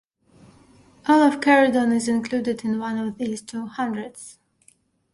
All of Caradon is included in one of these two hundreds.